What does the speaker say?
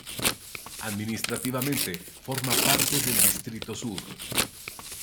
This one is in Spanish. Administrativamente, forma parte del Distrito Sur.